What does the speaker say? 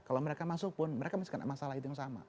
kalau mereka masuk pun mereka masih kena masalah itu yang sama